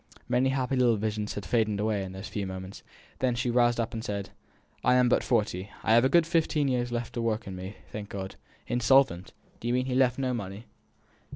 Many happy little visions faded away in those few moments; then she roused up and said, "I am but forty; I have a good fifteen years of work in me left yet, thank God. Insolvent! Do you mean he has left no money?"